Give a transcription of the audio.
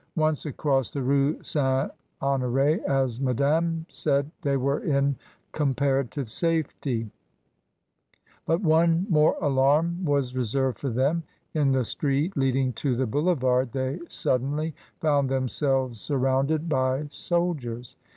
Once across the Rue St. Honore, as Madame said, they were in comparative safely; but one more alarm was reserved for them. In the street leading to the Boulevard they suddenly found themselves sur rounded by soldiers.